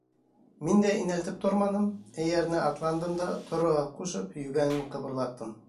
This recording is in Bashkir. Мин дә инәлтеп торманым, эйәренә атландым да торорға ҡушып, йүгәнен ҡыбырлаттым.